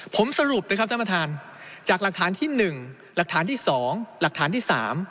ผมสรุปนะครับท่านประธานจากหลักฐานที่๑หลักฐานที่๒หลักฐานที่๓